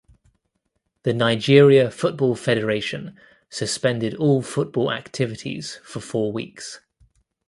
The Nigeria Football Federation suspended all football activities for four weeks.